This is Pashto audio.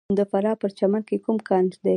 د فراه په پرچمن کې کوم کان دی؟